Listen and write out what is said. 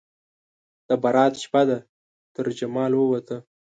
د برات شپه ده ترجمال ووته